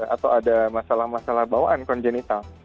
atau ada masalah masalah bawaan kongenital